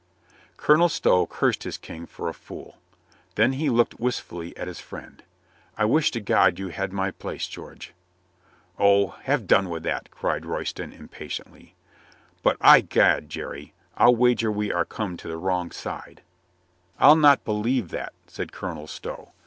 Colonel Stow cursed his King for a fool. Then he looked wistfully at his friend. "I wish to God you had my place, George." "O, have done with that!" cried Royston impa tiently. "But, i'gad, Jerry, I'll wager we are come to the wrong side." "I'll not believe that," said Colonel Stow.